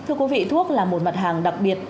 thưa quý vị thuốc là một mặt hàng đặc biệt